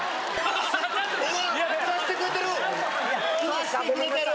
刺してくれてる！